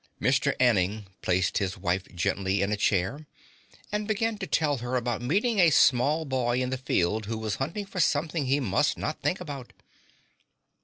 Mr. Anning placed his wife gently in a chair and began to tell her about meeting a small boy in the field who was hunting for something he must not think about.